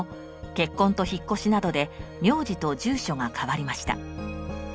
結婚と引っ越しなどで名字と住所が変わりました。